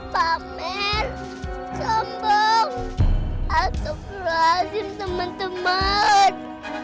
pamer sombong asuk rahasian teman teman